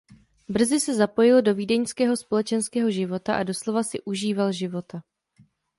Brzy se zapojil do vídeňského společenského života a doslova si užíval života.